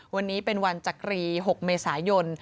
วันนี้เป็นวันจักรี๖เมษายน